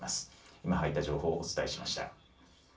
今入った情報をお伝えしました。